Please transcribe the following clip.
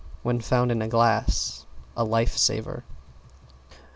When found in a glass, a life saver.